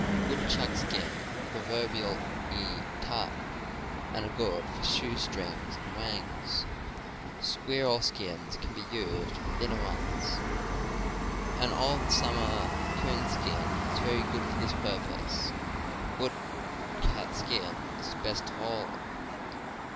Woodchuck skins are proverbially tough, and are good for shoestrings and whangs. Squirrel skins can ,, be used for thinner ones. An old sum , mer coon's skin is very good for this purpose; wildcat's skin is best of all.